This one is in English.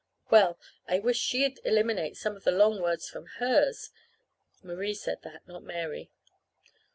Well, I wish she'd eliminate some of the long words from hers. Marie said that not Mary.)